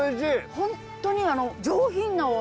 本当に上品なお味！